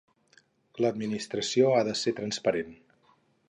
L'Administració ha de ser transparent.